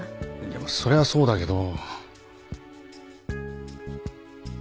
でもそれはそうだけど。